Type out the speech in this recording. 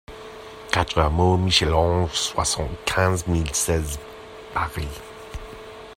quatre hameau Michel-Ange, soixante-quinze mille seize Paris